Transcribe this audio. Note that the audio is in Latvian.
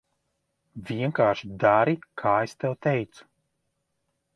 Vienkārši dari, kā es tev teicu.